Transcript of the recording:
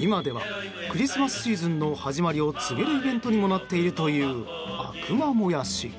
今では、クリスマスシーズンの始まりを告げるイベントにもなっているという悪魔燃やし。